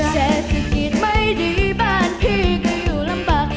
เศรษฐกิจไม่ดีบ้านพี่ก็อยู่ลำบาก